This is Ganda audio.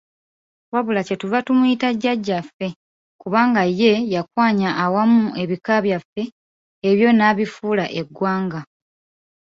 wabula kyetuva tumuyita jjajjaffe, kubanga ye yakwanya awamu ebika byaffe, ebyo n'abifuula eggwanga.